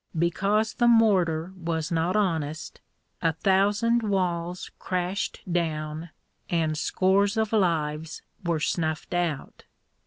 Because the mortar was not honest, a thousand walls crashed down and scores of lives were snuffed out.